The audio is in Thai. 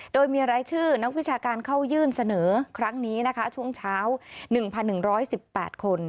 โดยมีรายชื่อนักวิชาการเข้ายื่นเสนอครั้งนี้นะคะช่วงเช้า๑๑๑๘คน